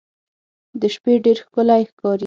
د شپې ډېر ښکلی ښکاري.